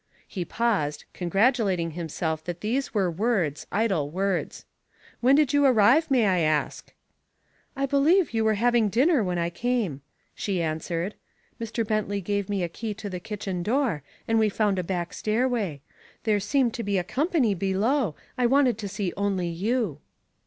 He paused, congratulating himself that these were words, idle words. "When did you arrive, may I ask?" "I believe you were having dinner when I came," she answered. "Mr. Bentley gave me a key to the kitchen door, and we found a back stairway. There seemed to be a company below I wanted to see only you."